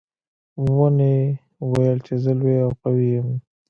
ونې ویل چې زه لویه او قوي یم.